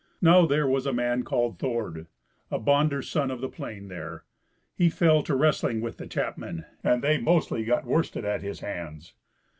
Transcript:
Now there was a man called Thord, a bonder's son of the Plain, there. He fell to wrestling with the chapmen, and they mostly got worsted at his hands.